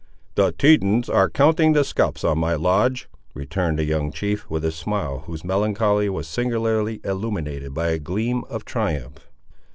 "The Tetons are counting the scalps on my lodge!" returned the young chief, with a smile whose melancholy was singularly illuminated by a gleam of triumph.